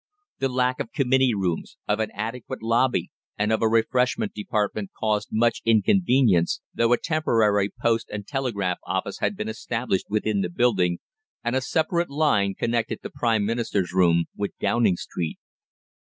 The lack of committee rooms, of an adequate lobby, and of a refreshment department caused much inconvenience, though a temporary post and telegraph office had been established within the building, and a separate line connected the Prime Minister's room with Downing Street.